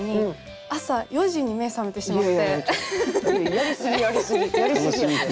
やりすぎやりすぎやて。